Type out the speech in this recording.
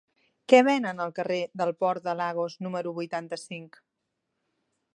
Què venen al carrer del Port de Lagos número vuitanta-cinc?